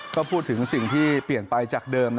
ก็พูดถึงสิ่งที่เปลี่ยนไปจากเดิม